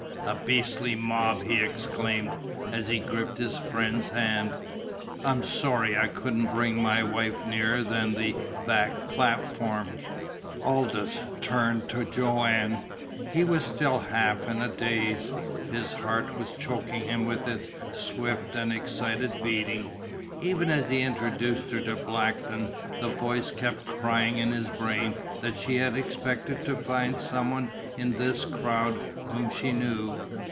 "A beastly mob!" he exclaimed, as he gripped his friend's hand. "I'm sorry I couldn't bring my wife nearer than the back platform." Aldous turned to Joanne. He was still half in a daze. His heart was choking him with its swift and excited beating. Even as he introduced her to Blackton the voice kept crying in his brain that she had expected to find some one in this crowd whom she knew.